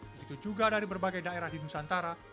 begitu juga dari berbagai daerah di nusantara